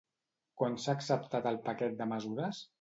Quan s'ha acceptat el paquet de mesures?